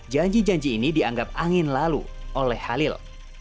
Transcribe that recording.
janji janji ini dianggap angin lalu oleh halil